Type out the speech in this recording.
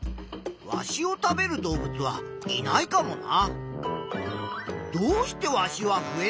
ワシを食べる動物はいないかもな。